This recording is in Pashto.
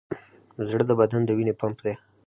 زړه د بدن د وینې پمپ دی.